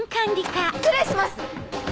失礼します！